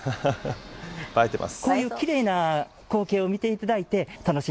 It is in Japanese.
映えてます。